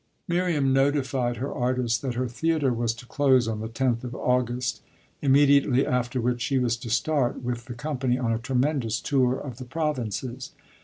Miriam notified her artist that her theatre was to close on the tenth of August, immediately after which she was to start, with the company, on a tremendous tour of the provinces.